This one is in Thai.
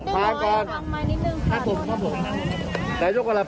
ภาคก่อนครับผมครับผมครับผมครับผม